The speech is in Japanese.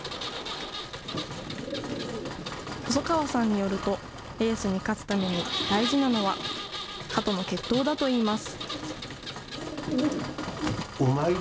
細川さんによると、レースに勝つために大事なのは、ハトの血統だといいます。